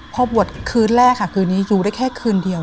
พอบวชคืนแรกค่ะคืนนี้อยู่ได้แค่คืนเดียว